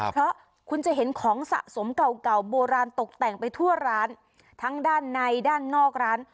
เพราะคุณจะเห็นของสะสมเก่าเก่าโบราณตกแต่งไปทั่วร้านทั้งด้านในด้านนอกร้าน